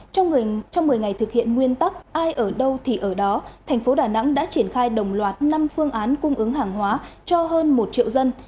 trong một mươi ngày thực hiện nguyên tắc ai ở đâu thì ở đó thành phố đà nẵng đã triển khai đồng loạt năm phương án cung ứng hàng hóa cho hơn một triệu dân